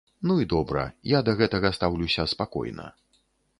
Ну і добра, я да гэтага стаўлюся спакойна.